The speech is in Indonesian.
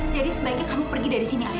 jadi sebaiknya kamu pergi dari sini alina